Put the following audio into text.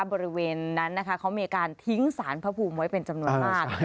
บริเวณนั้นนะคะเขามีการทิ้งสารพระภูมิไว้เป็นจำนวนมาก